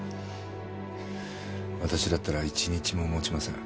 私だったら一日も持ちません。